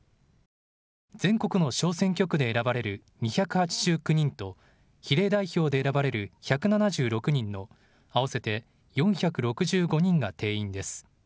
全国の小選挙区で選ばれる２８９人と比例代表で選ばれる１７６人の合わせて４６５人が定員です。